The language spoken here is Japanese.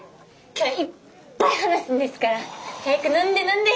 今日はいっぱい話すんですから早く飲んで飲んで。